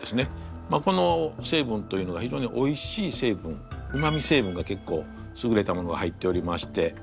この成分というのがひじょうにおいしい成分うまみ成分が結構すぐれたものが入っておりまして。